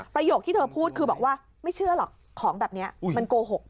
ประโยคที่เธอพูดคือบอกว่าไม่เชื่อหรอกของแบบนี้มันโกหก